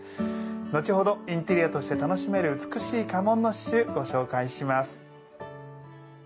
後ほどインテリアとして楽しめる美しい家紋の刺しゅうご紹介します。